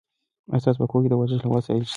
ایا ستاسو په کور کې د ورزش وسایل شته؟